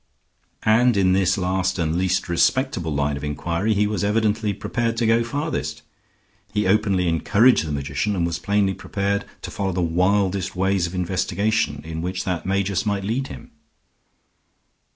And in this last and least respectable line of inquiry he was evidently prepared to go farthest; he openly encouraged the magician, and was plainly prepared to follow the wildest ways of investigation in which that magus might lead him.